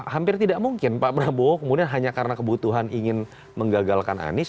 hampir tidak mungkin pak prabowo kemudian hanya karena kebutuhan ingin menggagalkan anies